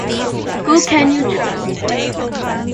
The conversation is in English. Who Can You Trust?